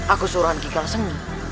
aku suruhan kikalas renggi